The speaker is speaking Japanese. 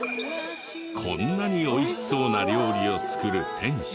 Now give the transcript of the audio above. こんなに美味しそうな料理を作る店主。